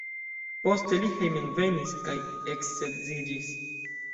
Poste li hejmenvenis kaj eksedziĝis.